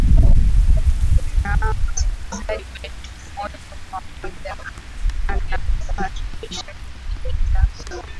naam msikilizaji wetu moja kwa moja nakukaribisha kusikiliza